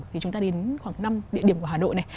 thì chúng ta đến khoảng năm địa điểm của hà nội này